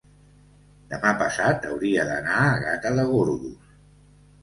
Demà passat hauria d'anar a Gata de Gorgos.